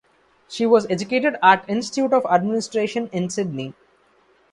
She was educated at Institute of Administration in Sydney.